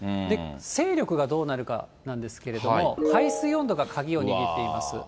勢力がどうなるかなんですけれども、海水温度が鍵を握っています。